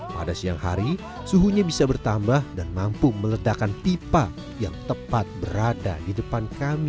pada siang hari suhunya bisa bertambah dan mampu meledakan pipa yang tepat berada di depan kami